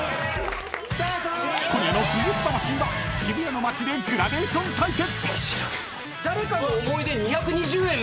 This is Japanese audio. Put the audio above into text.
［今夜の『ＶＳ魂』は渋谷の街でグラデーション対決！］